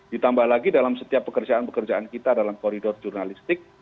ditambah lagi dalam setiap pekerjaan pekerjaan kita dalam koridor jurnalistik